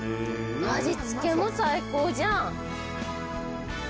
味付けも最高じゃん。